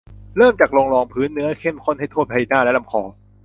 เริ่มจากลงรองพื้นเนื้อเข้มข้นให้ทั่วใบหน้า และลำคอ